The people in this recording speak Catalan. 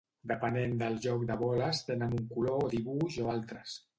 Depenent del joc les boles tenen un color o dibuix o altres.